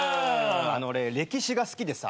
俺歴史が好きでさ。